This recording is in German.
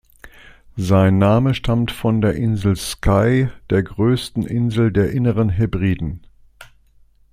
Sein Name stammt von der Insel Skye, der größten Insel der Inneren Hebriden.